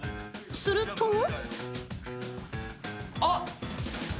すると。